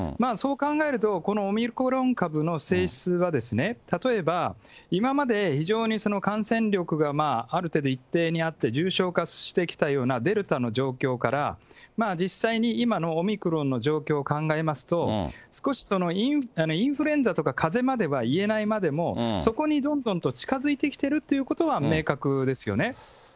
そう考えると、このオミクロン株の性質は、例えば、今まで非常に感染力がある程度一定にあって、重症化してきたようなデルタの状況から、実際に今のオミクロンの状況を考えますと、少しインフルエンザとかかぜまではいえないまでも、そこにどんどんと近づいてきているということは、明確ですよね。